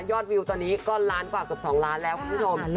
วิวตอนนี้ก็ล้านกว่าเกือบ๒ล้านแล้วคุณผู้ชม